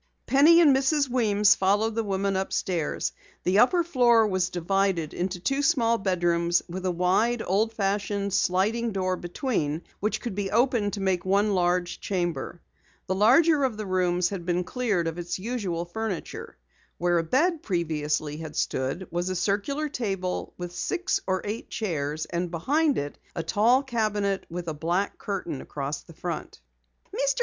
Penny and Mrs. Weems followed the woman upstairs. The upper floor was divided into two small bedrooms with a wide, old fashioned sliding door between which could be opened to make one large chamber. The larger of the rooms had been cleared of its usual furniture. Where a bed previously had stood was a circular table with six or eight chairs, and behind it a tall cabinet with a black curtain across the front. "Mr.